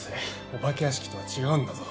お化け屋敷とは違うんだぞ。